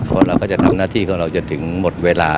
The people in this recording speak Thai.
เพราะเราก็จะทำหน้าที่ของเราจนถึงหมดเวลา